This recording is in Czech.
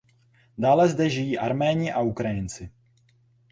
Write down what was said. Dále zde žijí Arméni a Ukrajinci.